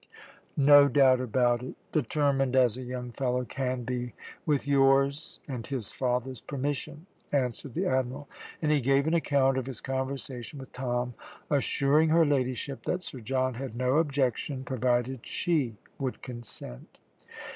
"No doubt about it; determined as a young fellow can be, with yours and his father's permission," answered the Admiral; and he gave an account of his conversation with Tom, assuring her ladyship that Sir John had no objection provided she would consent.